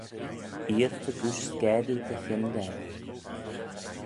Eer fegooish scaadoo dy hyndaa.